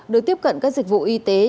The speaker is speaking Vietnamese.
được tiếp cận các dịch vụ y tế